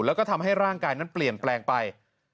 แล้วก็ทำให้ร่างกายนั้นเปลี่ยนแปลงไป